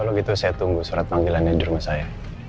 kalau gitu saya tunggu surat panggilannya di rumah saya